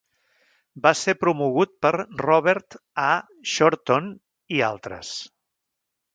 Va ser promogut per Robert A. Schorton, i altres.